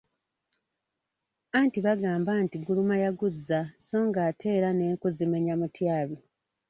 Anti bagamba nti, "Guluma yaguzza, so ng'ate era n'enku zimenya mutyabi.